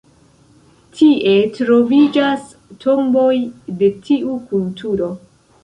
Tie troviĝas tomboj de tiu kulturo.